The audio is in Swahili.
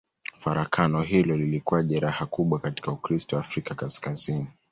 Farakano hilo lilikuwa jeraha kubwa katika Ukristo wa Afrika Kaskazini.